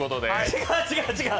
違う、違う、違う！